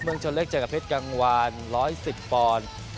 เมืองชนเล็กจังกะเพชรกังวาน๑๑๐ปอนด์